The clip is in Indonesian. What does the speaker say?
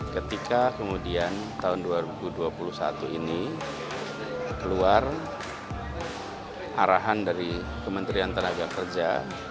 ketika kemudian tahun dua ribu dua puluh satu ini keluar arahan dari kementerian tenaga kerja